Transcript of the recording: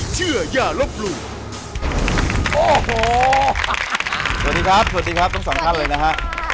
สวัสดีครับสวัสดีครับทั้งสองท่านเลยนะฮะ